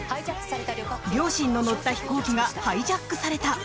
両親の乗った飛行機がハイジャックされた！